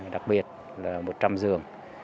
đặc biệt là một trăm linh giường